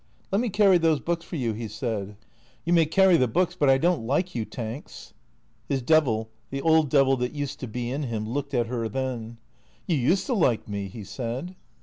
" Let me carry those books for you," he said. " You may carry the books, but I don't like you. Tanks." His devil, the old devil that used to be in him, looked at her then. " You used to like me," he said.